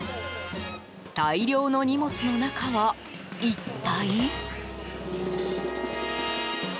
大量の荷物の中は、一体？